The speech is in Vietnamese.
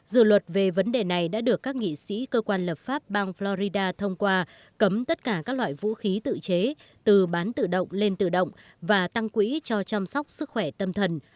dự luật về vấn đề này đã được các nghị sĩ cơ quan lập pháp bang florida thông qua cấm tất cả các loại vũ khí tự chế từ bán tự động lên tự động và tăng quỹ cho chăm sóc sức khỏe tâm thần